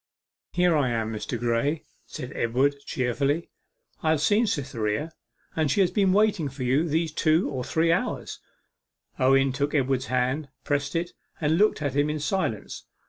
'Here I am, Mr. Graye,' said Edward cheerfully. 'I have seen Cytherea, and she has been waiting for you these two or three hours.' Owen took Edward's hand, pressed it, and looked at him in silence.